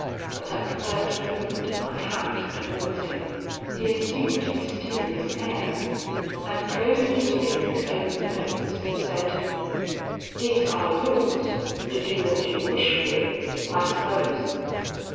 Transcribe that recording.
But at the first movement of my hand towards him, he assumed a mysterious air, and closing his fingers over the notes, said: "'These are yours, to do what you wish with, I suppose?'